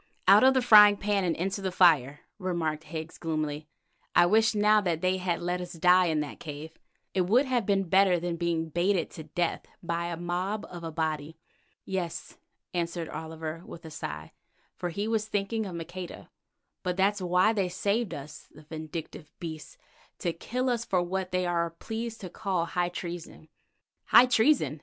"Out of the frying pan into the fire," remarked Higgs gloomily. "I wish now that they had let us die in the cave. It would have been better than being baited to death by a mob of Abati." "Yes," answered Oliver with a sigh, for he was thinking of Maqueda, "but that's why they saved us, the vindictive beasts, to kill us for what they are pleased to call high treason." "High treason!"